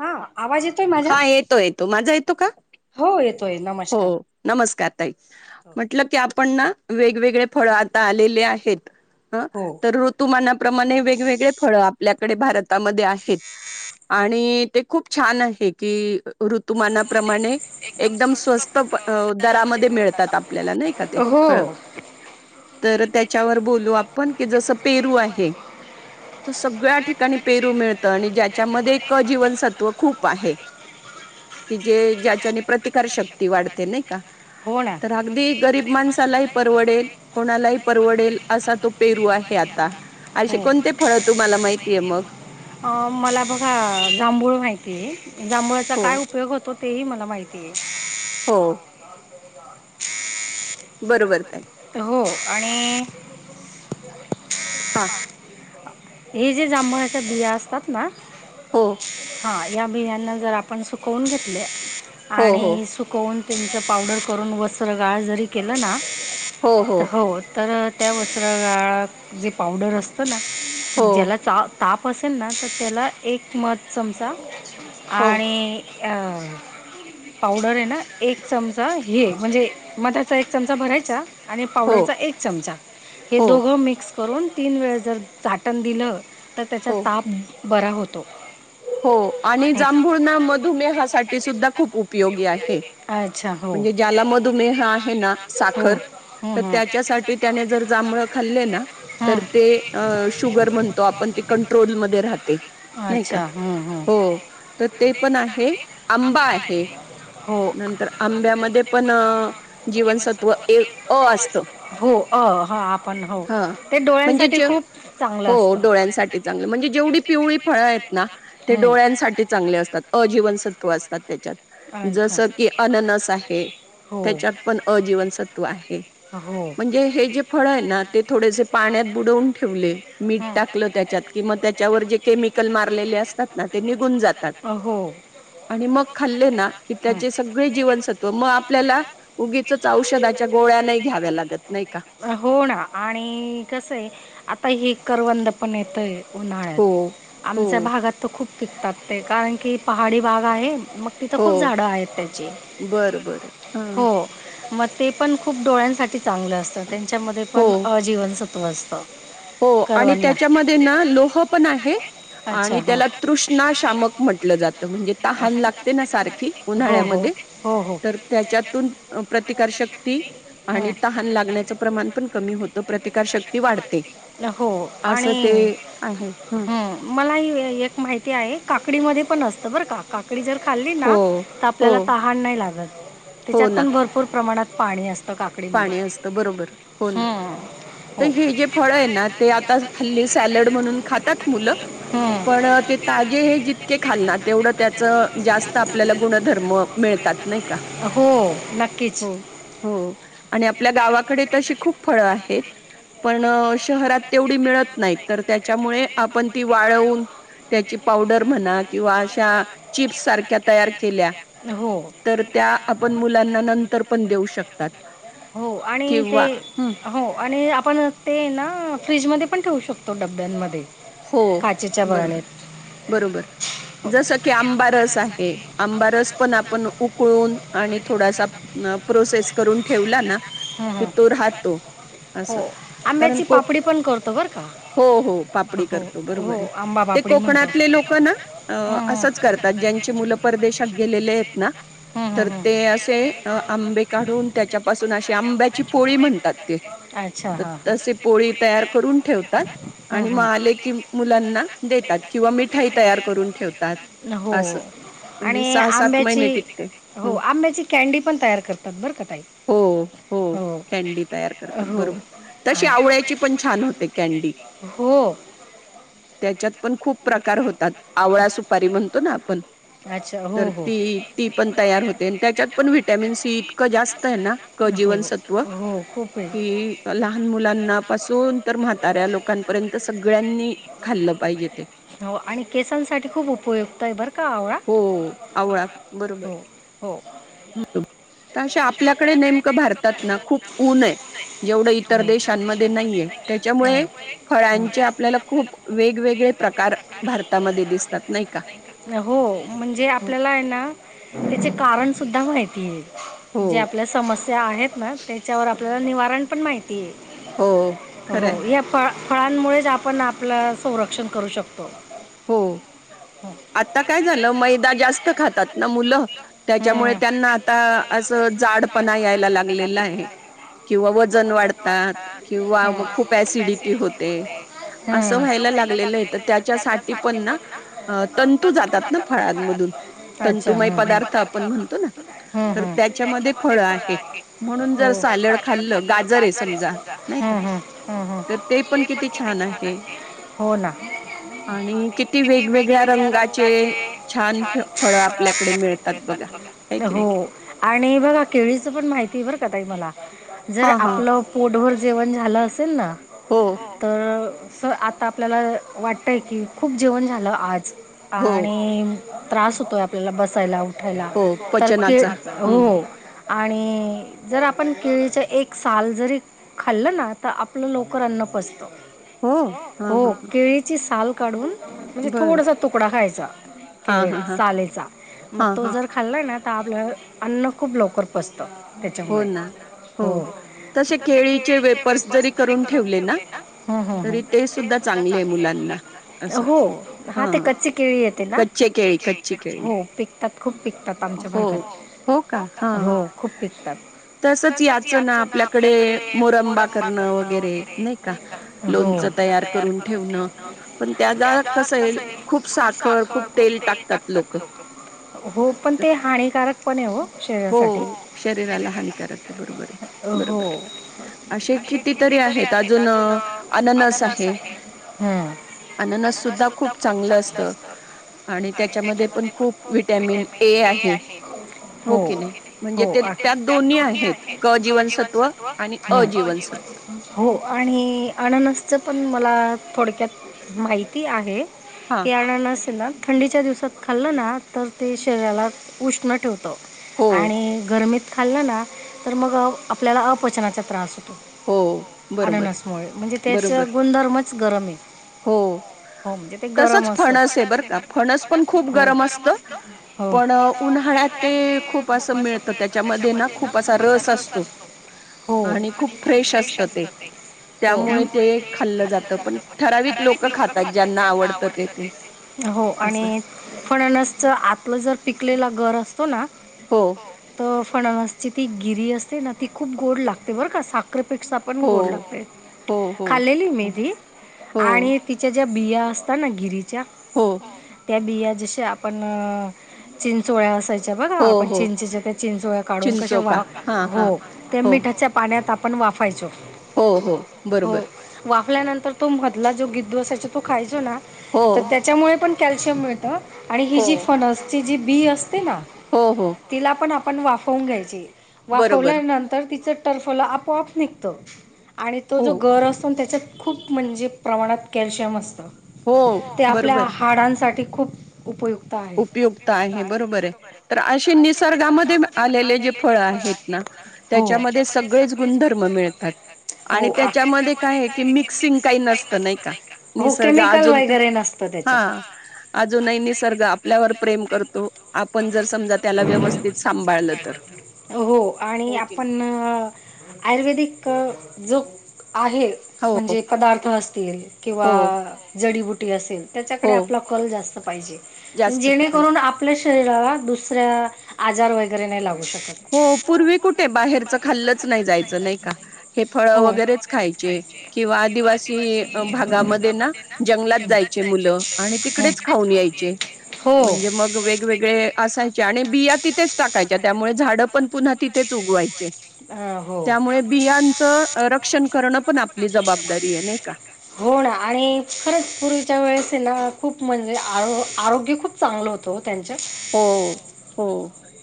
हा, आवाज येतोय माझा? हा येतो येतो, माझा येतो का? हो येतोय, हो नमस्कार. नमस्कार ताई, म्हटलं की आपण ना वेगवेगळे फळ आता आलेले आहेत हं, हो तर ऋतुमानाप्रमाणे वेगवेगळे फळं आपल्याकडे भारतामध्ये आहेत. आणि ते खूप छान आहे की ऋतुमानाप्रमाणे एकदम स्वस्त दरामध्ये मिळतात, आपल्याला नाही का ते हो फळं. तर त्याच्यावर बोलू आपण, की जसं पेरू आहे त सगळ्या ठिकाणी पेरू मिळतं आणि ज्याच्यामध्ये एक अजीवनसत्व खूप आहे. की जे ज्याच्याने प्रतिकार शकत वाढते नाही का हो ना तर अगदी गरीब माणसालाही, परवडेल कोणालाही परवडेल असा तो पेरू आहे आता, हो असे कोणते फळ तुम्हाला माहितीय मग? अ मला बघा जांभूळ माहितीय, जांभुळाचा हो काय उपयोग होतो तेही मला माहिती आहे हो बरोबर ताई. हो आणि हा. हे जे जांभळाच्या बिया असतात ना हो. हा, या बियाना जर आपण सुकवून घेतले हो हो आणि कोन त्यांचं पावडर करून, वस्त्र गाळ जरी केलं ना तर हो तर त्या वस्रगाळात, जे पावडर असतं ना हो ज्याला चा ताप असेल ना, तर त्याला एक मध चमचा हो आणि अ. पावडर आहे ना एक चमचा हे म्हणजे, मधाचा एक चमचा भरायचा आणि हो पावडरचा एक चमचा, हे हो दोघं मिक्स करून तीन वेळ जर चाट टण दिलं तर त्याचा हो ताप बरा होतो. हो, आणि जांभूळना मधुमेहासाठी सुद्धा खूप उपयोगी आहे. अच्छा. हो म्हणजे ज्याला मधुमेह आहे ना हो साखर, तर हं, हं. त्याच्यासाठी त्याने जर जांभळं खाल्ले ना तर हं. ते अ शुगर म्हणतो आपण ते कंट्रोलमध्ये राहते, नाही का? हो. ते पण आहे आंबा आहे, हो नंतर आंब्यामध्ये पण अ जीवनसत्व ए अ असत हो अ हो आपण हो हा ते, म्हणजे डोळ्यांसाठी जे खूप चांगलं हो असतं डोळ्यांसाठी चांगली म्हणजे, जेवढी पिवळी फळं आहेत. ना ते हं, डोळ्यांसाठी चांगले असतात, अजीवनसत्व असतात त्याच्यात अच्छा जसं की अननस आहे. हो त्याच्यात पण अजीवनसत्व, आहे म्हणे हो म्हणजे हे जे फळ आहे, ना ते थोडेसे पाण्यात बुडवून. टा त्या हं, कि त्यामल म. ले असतात ना, ते निघून जातात. हो. आणि मग खाल्ले ना की हं. त्याचे सगळे जीवनसत्व, मग आपल्याला उगीचच औषधाच्या गोळ्या नाही, घ्याव्या लागत नाही का? होणार आणि कसं आहे. आताही करवंद पण येतं आहे उन्हाळ्यात, हो हो आमच्या भागात तर खूप पिकतात ते, कारण की पहाडी भाग आहे मग तिथं हो खूप झाडं आहेत त्याची. बरं बरं हा हो. मग ते पण खूप डोळ्यांसाठी चांगलं असतं, त्यांच्यामध्ये हो पण अजीवनसत्व असतं. हो, आणि करवंदा त्याच्यामध्ये ना लोह पण आहे त्याच्या अच्छा आणि हां त्याला, का शाकाहारी तृष्णाशामक म्हटलं जातं. म्हणजे तहान लागते, ना सारखी हो सवय हो उन्हाळ्यामध्ये. असते हो हो तर त्याच्यातून, प्रतिकार शक्ती आणि हं. तहान लागण्याच प्रमाण पण कमी होतं, प्रतिकारशक्ती वाढत न हो आणि आहे हं. मला ह एक माहिती आहे, काकडी मध्ये पण असतं बरं, का काकडी आकडी जर खाल्ली हो, ना तर, हो, आपल्याला तहान नाही, लागत हो त्याच्यात ना. पण भरपूर प्रमाणात पाणी असत. पाणी असत बरोबर हो ना हं, हो तर हे आणि जे फळ फळं आहे ना. आहेत ते आता ना, खल्ली ही सॅलड म्हणून खातात मुलं. पण ते ताजे हे जितके खाल ना तेवढं त्याच जास्त आपल्याला गुणधर्म मिळतात नाही का हो नक्कीच हो हो. आणि आपल्या गावाकडे तशी खूप फळं आहेत. पण शहरात तेवढी मिळत नाही तर त्याच्यामुळे आपण ती वाळवून त्या पाडर म्हणा किंवा अशा चिप्स सारख्या तयार तयार केल्या हो. तर त्या आपण मुलांना नंतर पण देऊ शकतात. हो आणि ते किंवा हं. हो आणि आपण ते ना फ्रीजमध्ये पण ठेऊ शकतो डब्यांमध्ये. हो काचेच्या बरोबर बरणीत बरोबर. हो जसं की आंबा रस आहे. आंबा रस पण आपण उकळून आणि थोडासा अ प्रोसेस करून ठेवला ना हं, कि हं. तो राहतो असं कारण को ओपन करतो बरं का. हो हो पापडी हो करतो बरोबर हो आंबा हाय पापडी म्हणतो कोकणातले लोक ना हं, असच हं. करतात ज्यांची मुल परदेशात गेलेले आहेत ना. हं, हं, तर हं. ते असे अ आंबे काढून त्याच्यापासून असे आंब्याची पोळी म्हणतात ते. अच्छा तर हा हा. तसे पोळी तयार करून ठेवतात. ह आणि मग आले की मुलांना देतात किंवा मिठाई तयार करून ठेवतात. ह हो. असं म्हणजे आणि सहा सात आंब्याची महिने टिकते हो हं. आंब्याची कॅंडी पण तयार करतात बरं का ताई. हो हो कॅंडी तयार करतात हो बरोबर तशी आ- आवळ्याची पण छान होते कॅंडी. हो. त्याच्यात पण खूप प्रकार होतात. आवळा सुपारी म्हणतो ना आपण अच्छा तर हो हो ती ती पण तयार होते. आणि त्याच्यात पण व्हटॅमिन सी इतकं जास्त आहे ना. क हो जीवनसत्व हो खूप आहे कि, लहान मुलांना पासून तर म्हाताऱ्या. लोकांपर्यंत सगळ्यांनी खाल्लं पाहिजे ते हो आणि केसांसाठी खूप उपयुक्त आहे. बरं का आवळा. हो आवळा बरोबर हो हो [unintelligible] तर अशा आपल्याकडे नेमकं भारतात ना खूप ऊन आहे. जेवढं इतर हो. देशांमध्ये नाहीये. त्याच्यामुळे हा. फळांचे आपल्याला खूप वेगवेगळे प्रकार हं. भारतामध्ये दिसतात. नाही का. हो म्हणजे आपल्याला आहे. ना त्याचे कारण सुद्धा माहितीय. हो जे आपल्या समस्या आहेत, ना त्याच्यावर आपल्याला निवारण पण माहिती आहे. हो. खरंय हो या फळ फळांमुळेच आपण आपलं संरक्षण करू शकतो. हो हम्म. आता काय झालं मैदा जास्त खातात ना मुलं त्याच्यामुळे हम्म. त्यांना आता असं जाडपणा यायला लागलेलं आहे. किंवा वजन वाढतात किंवा मग खूप ऍसिडिटी होते. असं व्हायला लागलेलं आहे तर त्याच्यासाठी पण अ तंतू जातात ना जात आप फळांमधून अच्छ तंतुमय पदार्थ आपण म्हणतो ना [unintelligible] तर त्याच्यामध्ये फळं फळ आहेत. आहे म्हणून जर सालड खाल्लं गाजर आहे समजा सगळ नाही का हम्म तर ते हम्म् पण किती छान आहे. हो ना. आणि किती वेगवेगळ्या रंगाचे छान फळ आपल्याकडे मिळतात बघा. हो आणि बघा केळीचं पण माहिती आहे बरं का ताई मला जर हा हा आपलं पोटभर जेवण झालं असेल ना. हो. तर सर आता आपल्याला वाटतय की खूप जेवण झालं आज हो आणि त्रास होतोय आपल्याला बसायला उठायला हो तर के पचनाचा हम्म हो आणि जर आपण केळीच एक साल जरी खाल्लं ना तर आपलं लवकर अन्न पचत. हो हा हो, हा हा केळीची साल काढून म्हणजे बरं थोडसा तुकडा खायचा हा केळ हा हा सालेचा मग हा तो हा जर खाल्लं ना तर आपलं अन्न खूप लवकर पचत हो त्याच्यामुळे ना हो केळीचे वेफर्स जरी करून ठेवले ना त ते सुद्धा चांगले. असं हो हा ते कच्ची केळी येते ना कच्चे केळी कच्ची केळी हो पिकतात. खूप पिकतात आमच्या हो हो का हा भागात हो खूप पिकतात. तसंच तसच याच ना आपल्याकडे मोरंबा करणं वगैरे नाही का? हो लोणच तयार करून ठेवणं. पण त्याला कस आहे खूप साखर, खूप तेल टाकतात लोक. हो. पण ते हानिकारक पण ओ शरीरासाठी हो शरीराला हानिकारक आहे बरोबर आहे हो. बरोबर आहे असे कितीतरी आहेत. अजून अननस आहे. हं. अननस सुद्धा खूप चांगलं असत आणि त्याच्यामध्ये पण खूप विटॅमिन ए आहे हो की नाही म्हणजे ते आणि त्यात दोन्ही आहेत क जीवनसत्व जीवनसत्त्व. आणि अ अजीवनसत्व जीवनसत्व. हो आणि अननसचं पण मला थोडक्यात माहिती आहे. हा की अननस ना थंडीच्या दिवसात खाल्लं ना तर ते शरीराला उष्ण ठेवत. हो आणि गरमीत खाल्लं ना तर मग आपल्याला अपचनाचा त्रास होतो. हो बरोबर अननसमुळे म्हणजे त्याच बरोबर गुणधर्मच गरम आहे. हो हो म्हणजे ते गरम तसच असतं फणस आहे बर का फणस पण खूप हो. गरम असत. हो पण उन्हाळ्यात ते खूप असं मिळतं त्याच्यामध्ये ना खूप असा रस असतो. हो आणि खूप फ्रेश असत ते हो त्यामुळे ते खाल्लं जात. ठराविक लोक खातात ज्यांना आवडत ते हो असं आणि फणसच आतलं जर पिकलेला घर असतो ना हो. तर फणावासची ती गिरी असते ना ती खूप गोड लागते बरं का साखरेपेठ पण हो गोड लागते. हो हो खाल्लेली मी हो ती हो आणि तिच्या ज्या बिया असतात ना गिरीच्या हो. त्या बिया जश आपण चिंचोळ्या असायच्या बघा हो आपण हो. चिंचेच्या त्या चिंचोळ्या काढून कश चिंचोका वा हा हा हो. ते हो मिठाच्या पाण्यात आपण वाफायचो. हो हो बरोबर. हो वाफल्यानंतर तो मधला जो गिद्दू असायचा तो खायचो ना हो तर त्या त्याच्यामुळे पण कॅल्शियम मिळत आणि ही हो जी फनसची जी बी असते ना हो हो. तिला पण आपण वाफवून घ्यायची. बरोबर वाफवल्यानंतर तिचं टरफल आपोआप निघत आणि तो हो जो गर असतो ना त्याच्यात खूप म्हणजे प्रमाणात कॅल्शियम असत हो ते आपल्या बरोबर हाडांसाठी खूप उपयुक्त आहे उपयुक्त आहे हे बरोबर आहे तर असे निसर्गामध्ये आलेले जे फळ आहे तेच ना त्याच्यामध्ये सगळेच गुणधर्म मिळतात हो आणि त्याच्यामध्ये काय की आहे मिक्सिंग मिक्स काही नसतं नाही का [inaudible] हो निसर्ग केमिकल अजून तर वगैरे नसते हा त्याच्यात. आपल्यावर प्रेम करतो. आपण जर समजा त्याला व्यवस्थित सांभाळलं तर. हो. की नाही. प आयुर्वेदिक जो आहे. हो. म्हणजे पदार्थ असतील किंवा हो जडीबुटी असेल त्याच्याकडे हो, आपला कल जास्त पाहिजे. जास्त पण जेणेकरून आपल्या शरीराला दुसऱ्या आजार वगैरे नाही लागू शकत हो पूर्वी कुठे बाहेरचं खाल्लंच नाही जायचं नाही का हे फळं हो वगैरेच खाय किंवा आदिवासी भागामध्ये ना जंगलात जायचे मुलं आणि तिकडे खऊ हो हो म्हणे म वेग असा आणि बिया तिथे टा त्यामुळे झा ण त्यामुळे त्यामुळेलांचण बियांचं अ, रक्षण करणं पण कर आपली जबाबदारी आहे नाही का हो ना आणि खरंच पूर्वीच्या वेळेस ना खूप म्हणजे आ आरोग्य खूप चांगल होतं त्यांच्या हो हो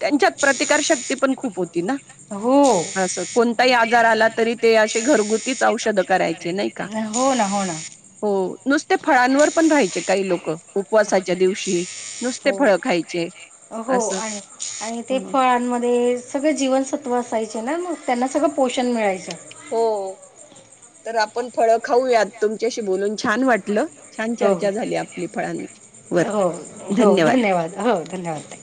त्यांच्यात प्रतिकार शक्ती पण खूप होती ना हो असं कोणताही हो आजार आला तरी ते असे घरगुतीच औषधं करायचे नाही का हो ना हो ना हो नुसते फळांवर पण राहायचे काही लोक उपवासाच्या दिवशी नुसते हो फळं खायचे हो असं आणि आणि ते ह फळांमध्ये सगळ जीवन तव असायचे ना मग त्यांना सगळं पोषण मिळायचं हो तर आपण फळं खाऊयात तुमच्याशी बोलून छान वाटत टल छान हो चर्चा झाली आपली फळांवरर धन्यवाद न्यवादह धन्यवाद